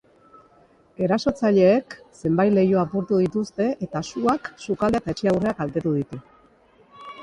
Erasotzaileek zenbait leiho apurtu dituzte eta suak sukaldea eta etxe aurrea kaltetu ditu.